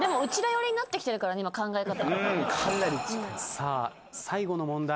さあ最後の問題